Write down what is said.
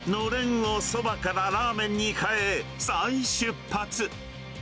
のれんをそばからラーメンに変え、再出発。